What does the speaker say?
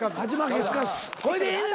これでええねんな？